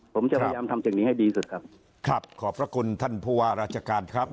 ผมจะพยายามทำสิ่งนี้ให้ดีสุดครับครับขอบพระคุณท่านผู้ว่าราชการครับ